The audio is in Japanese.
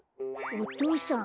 お父さん？